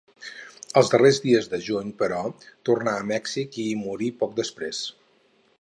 Els darrers dies de juny, però, tornà a Mèxic i hi morí poc després.